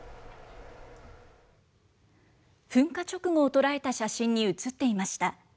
噴火直後を捉えた写真に写っていました。